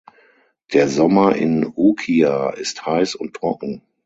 Der Sommer in Ukiah ist heiß und trocken.